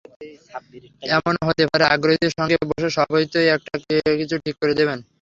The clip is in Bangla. এমনও হতে পারে, আগ্রহীদের সঙ্গে বসে সভাপতিই একটা কিছু ঠিক করে দেবেন।